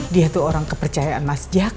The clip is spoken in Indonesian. dia tuh orang kepercayaan mas jack